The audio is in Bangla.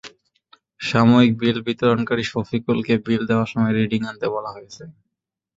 সাময়িক বিল বিতরণকারী শফিকুলকে বিল দেওয়ার সময় রিডিং আনতে বলা হয়েছে।